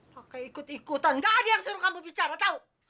pakai ikut ikutan gak ada yang suruh kamu bicara tahu